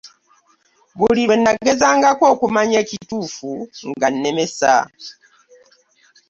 Buli lwe nagezangako okumanya ekituufu ng'annemesa.